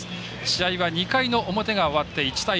試合は２回の表が終わって１対０。